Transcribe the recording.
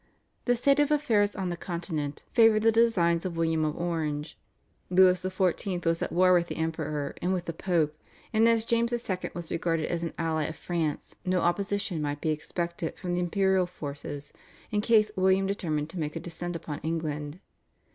The state of affairs on the Continent favoured the designs of William of Orange. Louis XIV. was at war with the Emperor and with the Pope, and as James II. was regarded as an ally of France no opposition might be expected from the imperial forces in case William determined to make a descent upon England.